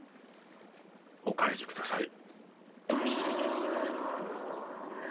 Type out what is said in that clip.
お帰りください。